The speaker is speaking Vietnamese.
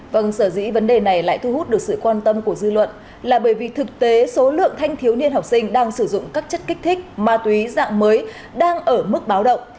vâng sở dĩ vấn đề này lại thu hút được sự quan tâm của dư luận là bởi vì thực tế số lượng thanh thiếu niên học sinh đang sử dụng các chất kích thích ma túy dạng mới đang ở mức báo động